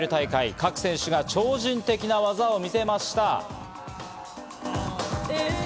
Ｋａｋｕ選手が超人的な技を見せました。